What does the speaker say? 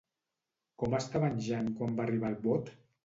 Com estava en Jan quan va arribar al bot?